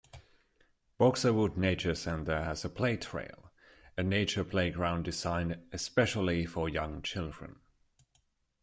Boxerwood Nature Center has a PlayTrail, a nature playground designed especially for young children.